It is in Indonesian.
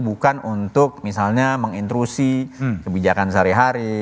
bukan untuk misalnya mengintrusi kebijakan sehari hari